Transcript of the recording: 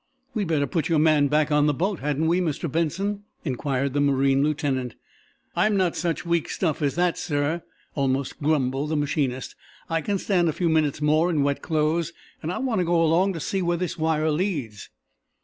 "We'd better put your man back on the boat, hadn't we, Mr. Benson?" inquired the marine lieutenant. "I'm not such weak stuff as that, sir," almost grumbled the machinist. "I can stand a few minutes more in wet clothes, and I want to go along to see where this wire leads."